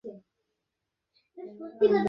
তারপর থেকে ভবনটির আর কোন সংস্কার করা হয়নি।